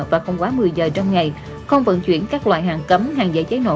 và không quá một mươi giờ trong ngày không vận chuyển các loại hàng cấm hàng dễ cháy nổ